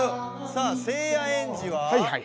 さあせいやエンジは？